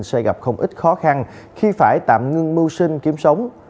sẽ gặp không ít khó khăn khi phải tạm ngưng mưu sinh kiếm sống